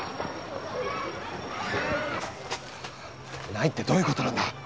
ないってどういう事なんだ？